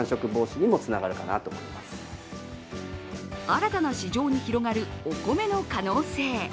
新たな市場に広がるお米の可能性。